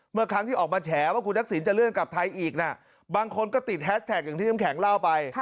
เมื่อครั้งที่ออกมาแฉว่าคุณทักษิณจะเลื่อนกลับไทยอีกนะบางคนก็ติดแฮสแท็กอย่างที่น้ำแข็งเล่าไป